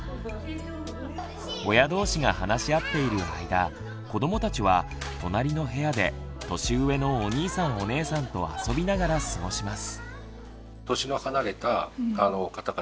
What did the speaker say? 親同士が話し合っている間子どもたちは隣の部屋で年上のお兄さんお姉さんと遊びながら過ごします。